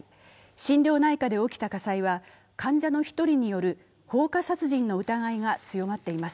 心療内科で起きた火災は患者の１人による放火殺人の疑いが強まっています。